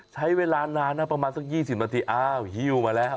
ใช้เวลานานนะประมาณสัก๒๐นาทีอ้าวหิ้วมาแล้ว